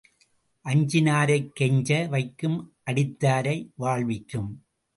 அஞ்சினாரைக் கெஞ்ச வைக்கும் அடித்தாரை வாழ்விக்கும்.